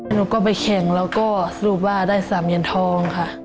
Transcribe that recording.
หนูก็ไปแข่งแล้วก็สรุปว่าได้๓เหรียญทองค่ะ